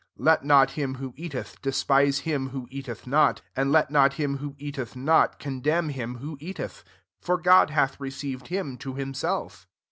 3 Let not him who eateth, despise him who eateth not; and let not him who eateth not, con demn him who eateth ; for God hath received him to himself.